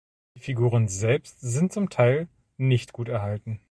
Die Figuren selbst sind zum Teil nicht gut erhalten.